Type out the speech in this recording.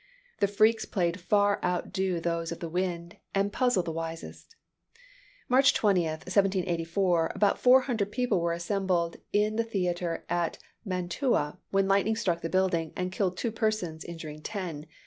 The freaks played far outdo those of the wind, and puzzle the wisest. March 20, 1784, about four hundred people were assembled in the theatre at Mantua, when lightning struck the building, and killed two persons, injuring ten.